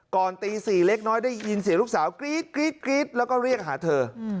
ตี๔เล็กน้อยได้ยินเสียงลูกสาวกรี๊ดแล้วก็เรียกหาเธอ